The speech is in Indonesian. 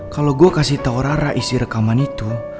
kalo gua kasih tau rara isi rekaman itu